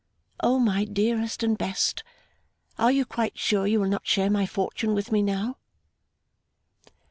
O my dearest and best, are you quite sure you will not share my fortune with me now?